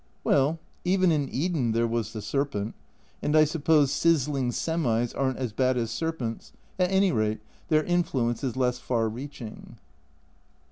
Well, even in Eden there was the serpent, and I suppose sizzling semis aren't as bad as serpents, at any rate their influence is less far reaching.